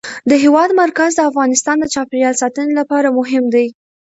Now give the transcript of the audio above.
د هېواد مرکز د افغانستان د چاپیریال ساتنې لپاره مهم دي.